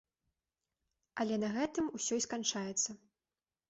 Але на гэтым усё і сканчаецца.